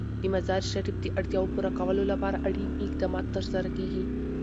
د مزارشریف د اړتیاوو پوره کولو لپاره اړین اقدامات ترسره کېږي.